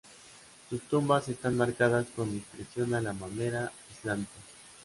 Sus tumbas están marcadas con discreción a la manera islámica.